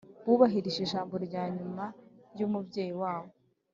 Bubahirije ijambo rya nyuma ry’umubyeyi wabo